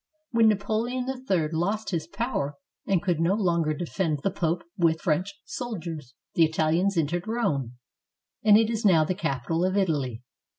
When Naploeon III lost his power and could no longer defend the Pope with French soldiers, the Italians entered Rome, and it is now the capital of Italy.